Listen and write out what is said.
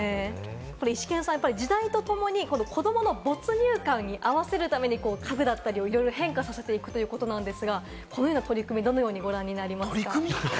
これイシケンさん、時代とともに子どもの没入感に合わせるために家具だったり、いろいろ変化させていくということなんですが、このような取り組みをどうご覧になりますか？